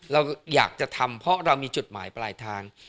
เราอยากจะทำเพราะเรามีจุดหมายปลายทาง